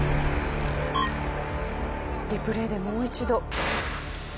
リプレーでもう一度。